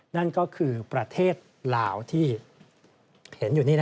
นั่นก็คือประเทศลาวที่เห็นอยู่นี่